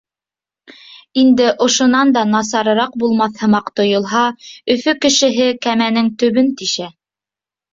Инде ошонан да насарыраҡ булмаҫ һымаҡ тойолһа, Өфө кешеһе кәмәнең төбөн тишә.